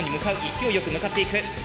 勢いよく向かっていく。